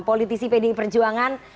politisi pdi perjuangan